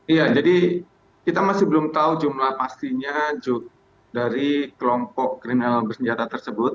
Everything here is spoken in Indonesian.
iya jadi kita masih belum tahu jumlah pastinya dari kelompok kriminal bersenjata tersebut